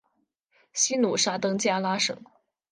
西努沙登加拉省。